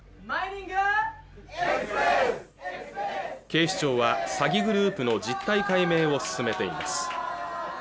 警視庁は詐欺グループの実態解明を進めています